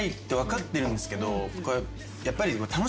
やっぱり。